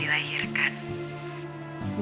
dari suatu hari kemudian